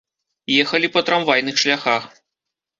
Ехалі па трамвайных шляхах.